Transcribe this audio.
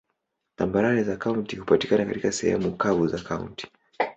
Tambarare za kaunti hupatikana katika sehemu kavu za kaunti.